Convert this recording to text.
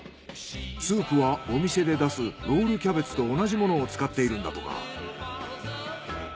スープはお店で出すロールキャベツと同じものを使っているんだとか。